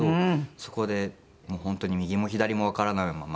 そこで本当に右も左もわからないまま。